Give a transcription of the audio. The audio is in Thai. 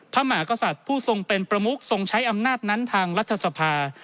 พระมหากษัตริย์ผู้ทรงเป็นประมุกทรงใช้อำนาจนั้นทางรัฐสภา